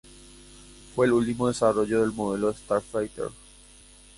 Fue el último desarrollo del modelo Starfighter.